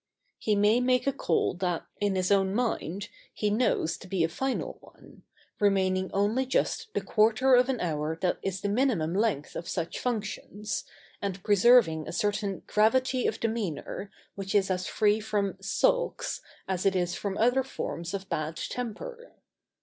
] He may make a call that, in his own mind, he knows to be a final one, remaining only just the quarter of an hour that is the minimum length of such functions, and preserving a certain gravity of demeanour which is as free from "sulks" as it is from other forms of bad temper.